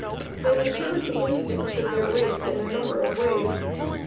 They inherit the instincts of their race in a number of ways.